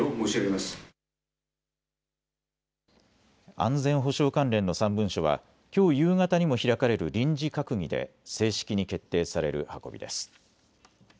安全保障関連の３文書はきょう夕方にも開かれる臨時閣議で正式に決定される運びです。